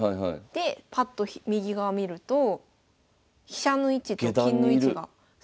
でパッと右側見ると飛車の位置と金の位置が。